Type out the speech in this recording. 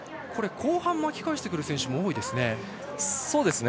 後半巻き返してくる選手も多いですね。